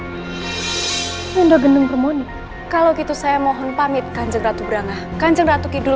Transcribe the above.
dan di undang undang pemoni kalau gitu saya mohon pamit kanjeng ratu brangah kanjeng ratu kidul